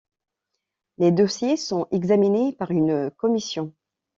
Les dossiers sont examinés par une commission.